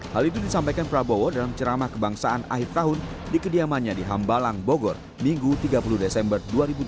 hal itu disampaikan prabowo dalam ceramah kebangsaan akhir tahun di kediamannya di hambalang bogor minggu tiga puluh desember dua ribu dua puluh